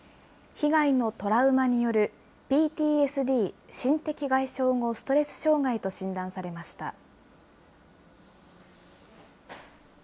被害のトラウマによるＰＴＳＤ・心的外傷後ストレス障害と診断されました。